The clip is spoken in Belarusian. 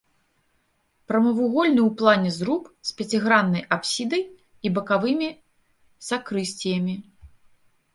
Прамавугольны ў плане зруб з пяціграннай апсідай і бакавымі сакрысціямі.